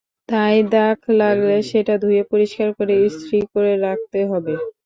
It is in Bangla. তাই দাগ লাগলে সেটা ধুয়ে পরিষ্কার করে ইস্ত্রি করে রাখতে হবে।